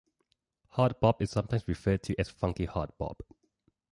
Hard bop is sometimes referred to as funky hard bop.